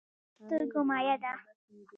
اوښکې د سترګو مایع ده